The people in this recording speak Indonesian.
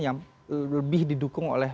yang lebih didukung oleh